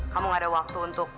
kamu gak ada waktu untuk